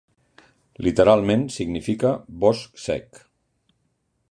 Literalment significa "bosc sec".